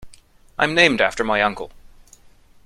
I'm named after my uncle.